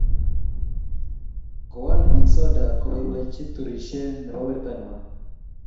Ko all biik soda kobooboichi turishe ne bo werto ngwang.